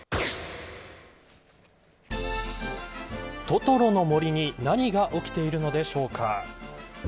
トトロの森に何が起きているのでしょうか。